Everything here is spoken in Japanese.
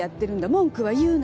文句は言うな」